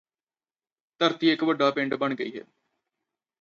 ਧਰਤੀ ਇਕ ਵੱਡਾ ਪਿੰਡ ਬਣ ਗਈ ਹੈ